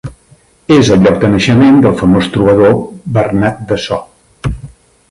És el lloc de naixement del famós trobador Bernat de So.